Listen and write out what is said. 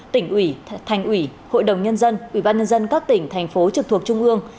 tỉnh ủy thành ủy hội đồng nhân dân ủy ban nhân dân các tỉnh thành phố trực thuộc trung ương